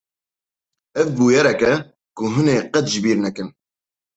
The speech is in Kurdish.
Ev bûyerek e ku hûn ê qet ji bîr nekin!